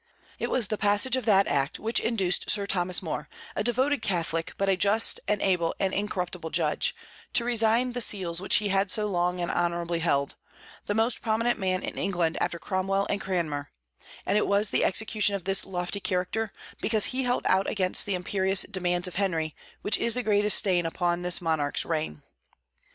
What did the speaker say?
It was the passage of that act which induced Sir Thomas More (a devoted Catholic, but a just and able and incorruptible judge) to resign the seals which he had so long and so honorably held, the most prominent man in England after Cromwell and Cranmer; and it was the execution of this lofty character, because he held out against the imperious demands of Henry, which is the greatest stain upon this monarch's reign.